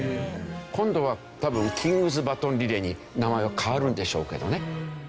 今度は多分キングス・バトン・リレーに名前は変わるんでしょうけどね。